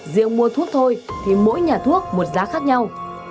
riêng mua thuốc thôi thì mỗi nhà thuốc một giá khác nhau